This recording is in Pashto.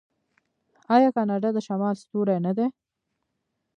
آیا کاناډا د شمال ستوری نه دی؟